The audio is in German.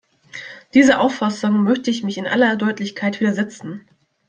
Dieser Auffassung möchte ich mich in aller Deutlichkeit widersetzen.